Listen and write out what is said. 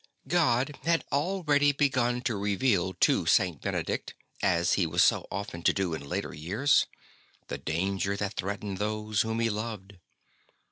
God had already begun to reveal to St. Benedict, as He was so often to do in later years, the danger that threatened those whom he loved.